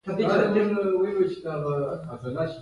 ام عاصم عبدالعزیز په نکاح کړه.